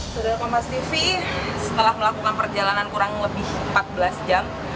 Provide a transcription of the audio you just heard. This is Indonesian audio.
saudara kompas tv setelah melakukan perjalanan kurang lebih empat belas jam